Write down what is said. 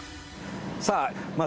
さあまあ